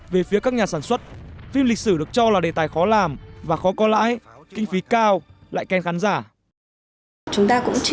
về phía các nhà sản xuất phim lịch sử được cho là đề tài khó làm và khó có lãi kinh phí cao lại khen khán giả